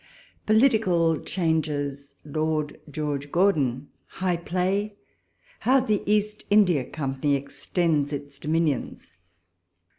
POLITICAL CHANGES— LORD OEORGE GORDON —HIGH PLAY—HGW THE EAST INDIA COMPANY EXTENDS ITS DOMINIONS.